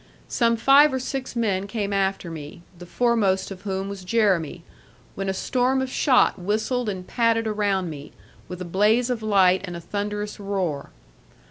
Some five or six men came after me, the foremost of whom was Jeremy, when a storm of shot whistled and patted around me, with a blaze of light and a thunderous roar.